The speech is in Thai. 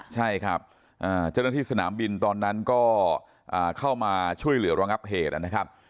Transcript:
ใช่ครับเจ้าหน้าที่สนามบินตอนนั้นก็เข้ามาช่วยเหลือระงับเหตุนะครับ